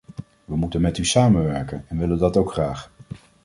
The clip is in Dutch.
We moeten met u samenwerken, en willen dat ook graag.